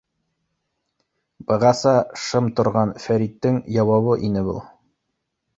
— Бығаса шым торған Фәриттең яуабы ине был.